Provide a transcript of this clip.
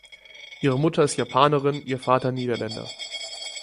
Ihre Mutter ist Japanerin, ihr Vater Niederländer.